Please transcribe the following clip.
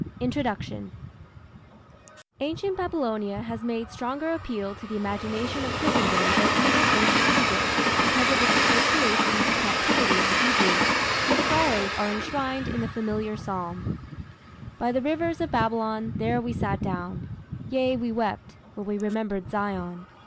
INTRODUCTION Ancient Babylonia has made stronger appeal to the imagination of Christendom than even Ancient Egypt, because of its association with the captivity of the Hebrews, whose sorrows are enshrined in the familiar psalm: By the rivers of Babylon, there we sat down; Yea, we wept, when we remembered Zion.